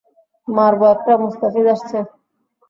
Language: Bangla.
মারবো একটা, মুস্তাফিজ আসছে।